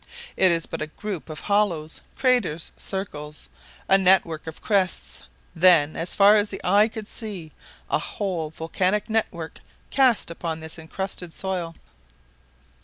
It is but a group of hollows, craters, circles, a network of crests; then, as far as the eye could see, a whole volcanic network cast upon this encrusted soil.